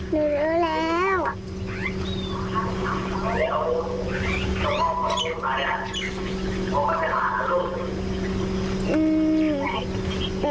ได้ยินแล้วแล้ว